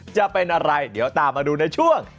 จะเป็นอะไรเดี๋ยวตามมาดูในช่วง